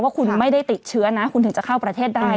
ว่าคุณไม่ได้ติดเชื้อนะคุณถึงจะเข้าประเทศได้